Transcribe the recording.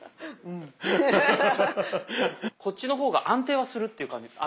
こっちの方が安定はするっていう感じ。